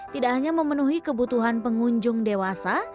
tidak hanya memenuhi kebutuhan pengunjung dewasa